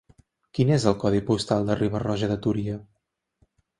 Quin és el codi postal de Riba-roja de Túria?